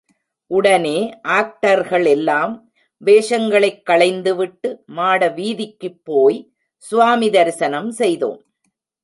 உடனே ஆக்டர்களெல்லாம் வேஷங்களைக் களைந்துவிட்டு, மாட வீதிக்குப்போய் ஸ்வாமி தரிசனம் செய்தோம்.